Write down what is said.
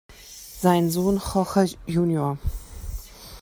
Sein Sohn Jorge Jr.